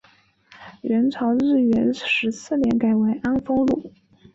元朝至元十四年改为安丰路。